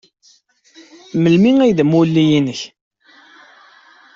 Melmi ay d amulli-nnek?